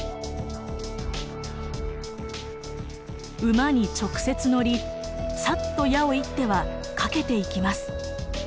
馬に直接乗りサッと矢を射っては駆けていきます。